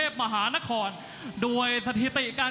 จังหวัดน้วรษคั่งจังหวัดนทบุรี